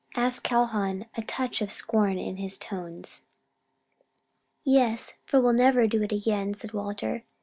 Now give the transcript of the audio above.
asked Calhoun, a touch of scorn in his tones. "Yes; for we'll never do it again," said Walter.